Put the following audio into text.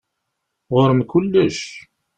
Ɣur-m kullec.